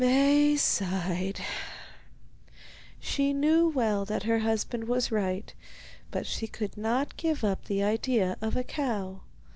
Maie sighed. She knew well that her husband was right, but she could not give up the idea of a cow.